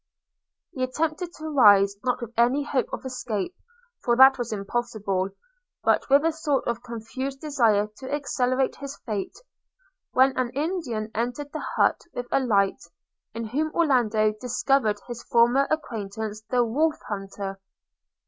He attempted to rise; not with any hope of escape, for that was impossible, but with a sort of confused desire to accelerate his fate; when an Indian entered the hut with a light, in whom Orlando discovered his former acquaintance the Wolf hunter.